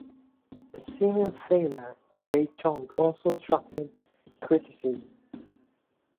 A seeming failure to pay Chong also attracted criticism.